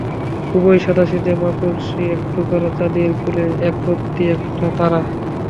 খুবই সাদাসিধে মাকড়ি, একটুকরা চাঁদের কোলে একরত্তি একটা তারা।